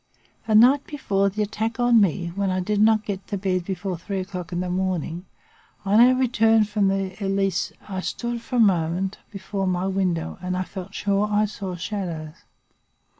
The night before the attack on me, when I did not get to bed before three o'clock in the morning, on our return from the Elysee, I stood for a moment before my window, and I felt sure I saw shadows.